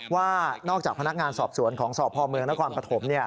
ว่านอกจากพนักงานสอบสวนของสพเมืองนครปฐม